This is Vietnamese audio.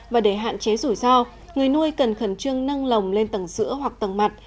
và để hạn chế rủi ro người nuôi cần khẩn trương nâng lồng lên tầng giữa hoặc tầng mặt